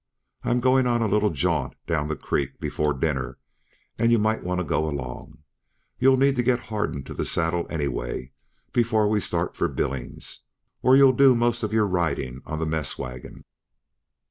I'm going on a little jaunt down the creek, before dinner, and you might go along; you'll need to get hardened to the saddle anyway, before we start for Billings, or you'll do most uh riding on the mess wagon."